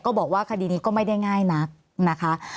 บอกว่าคดีนี้ก็ไม่ได้ง่ายนักนะคะ